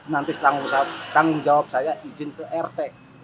nanti tanggung jawab saya izin ke rt